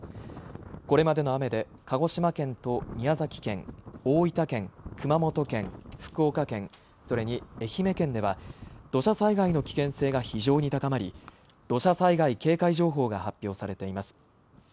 これまでの雨で鹿児島県と宮崎県、大分県、熊本県、福岡県、それに愛媛県では土砂災害の危険性が非常に高まり土砂災害警戒情報が発表されています。